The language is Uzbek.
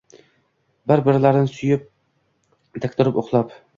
Bir-birlarin suyab, Tik turib uxlab